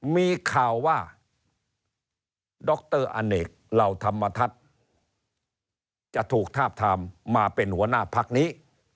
มีข่าวว่าดรอเนกเหล่าธรรมทัศน์จะถูกทาบทามมาเป็นหัวหน้าพักนี้